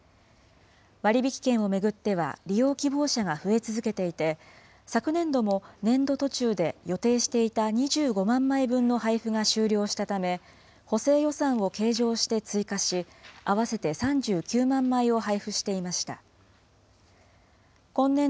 割引券を巡っては、利用希望者が増え続けていて、昨年度も年度途中で予定していた２５万枚分の配付が終了したため、補正予算を計上して追加し、合わせて３９万枚を配付していました。